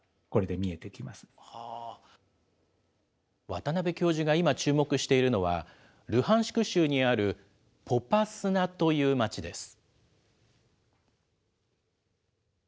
渡邉教授が今注目しているのは、ルハンシク州にあるポパスナという街です。